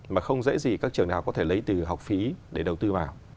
mà không dễ gì các trường đại học có thể lấy từ học phí để đầu tư vào